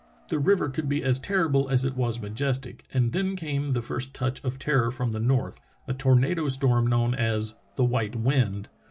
The river could be as terrible as it was majestic; and then came the first touch of terror from the north, a tornado storm known as the "white wind."